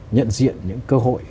nhận diện những cơ hội